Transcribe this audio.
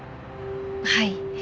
はい。